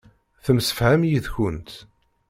Temsefham yid-kent.